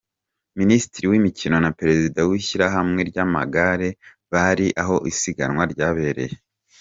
Minisitiri w’imikino na Perezida w’ishyirahamwe ry’amagare bari aho isiganwa ryaberaga